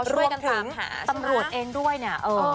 รวมถึงตำรวจเองด้วยเนี่ย